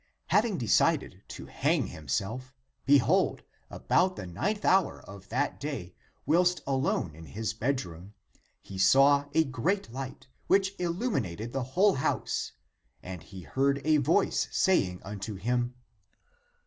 Having decided to hang himself, be hold, about the ninth hour of that day, whilst alone in his bedroom, he saw a great light, which illum inated the whole house, and he heard a voice saying unto him: (p.